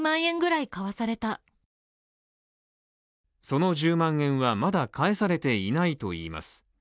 その１０万円はまだ返されていないといいます。